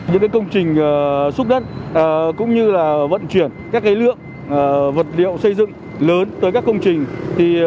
những công trình xúc đất cũng như vận chuyển các lượng vật liệu xây dựng lớn tới các công trình